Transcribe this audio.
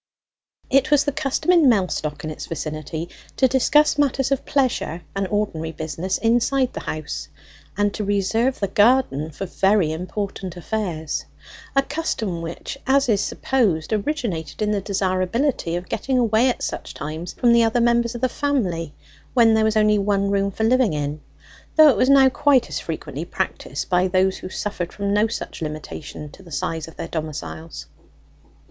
It was the custom in Mellstock and its vicinity to discuss matters of pleasure and ordinary business inside the house, and to reserve the garden for very important affairs: a custom which, as is supposed, originated in the desirability of getting away at such times from the other members of the family when there was only one room for living in, though it was now quite as frequently practised by those who suffered from no such limitation to the size of their domiciles.